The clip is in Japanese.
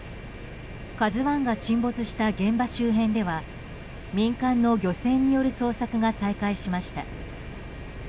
「ＫＡＺＵ１」が沈没した現場周辺では民間の漁船による捜索が再開しました。